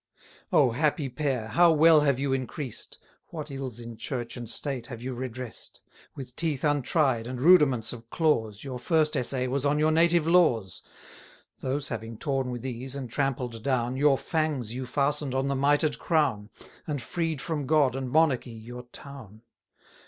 O happy pair, how well have you increased! What ills in Church and State have you redress'd! With teeth untried, and rudiments of claws, Your first essay was on your native laws: 200 Those having torn with ease, and trampled down, Your fangs you fasten'd on the mitred crown, And freed from God and monarchy your town.